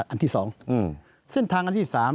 อันที่๒เส้นทางอันที่๓